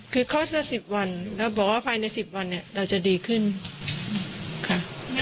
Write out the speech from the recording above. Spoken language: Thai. คือคลอดละ๑๐วันเราบอกว่าภายใน๑๐วันเนี่ยเราจะดีขึ้นค่ะ